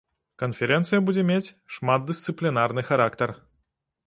Канферэнцыя будзе мець шматдысцыплінарны характар.